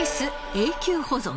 永久保存